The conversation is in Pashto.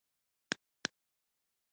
شخړې پر تلپاتو جګړو اوښتې.